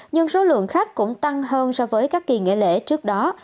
nhưng số lượng khách cũng tăng hơn so với các kỳ nghỉ lễ trước đó